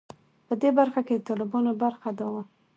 په دې برخه کې د طالبانو برخه دا وه.